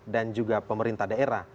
dan juga pemerintah daerah